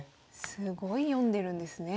すごい読んでるんですね。